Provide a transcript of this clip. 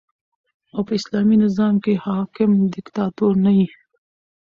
او په اسلامي نظام کښي حاکم دیکتاتور نه يي.